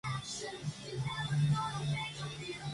Uno termina relajado, físicamente muy bien.